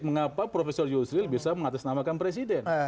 mengapa profesor yusril bisa mengatasnamakan presiden